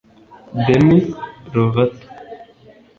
Demi Rovato